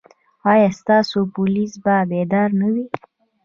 ایا ستاسو پولیس به بیدار نه وي؟